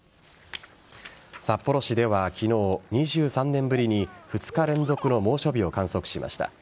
札幌市では昨日、２３年ぶりに２日連続の猛暑日を観測しました。